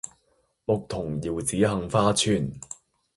牧童遙指杏花村